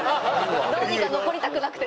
どうにか残りたくなくて。